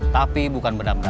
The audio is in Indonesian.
tapi bukan benar benar